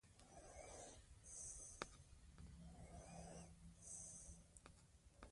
پروژه ښار بدلوي.